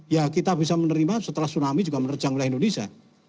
ya kita bisa menerima setelah tsunami juga menerjang wilayah indonesia